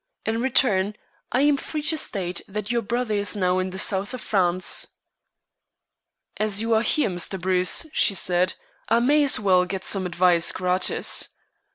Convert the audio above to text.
In return, I am free to state that your brother is now in the South of France." "As you are here, Mr. Bruce," she said, "I may as well get some advice gratis.